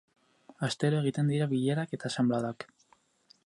Astero egiten dira bilerak eta asanbladak.